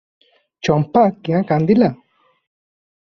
ଚମ୍ପା କ୍ୟାଁ କାନ୍ଦିଲା?